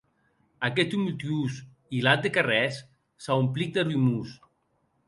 Aqueth tumultuós hilat de carrèrs s’aumplic de rumors.